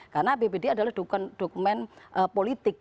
karena apbd adalah dokumen politik